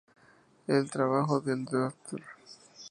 El trabajo del Dr.